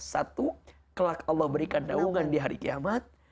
satu kelak allah berikan daungan di hari kiamat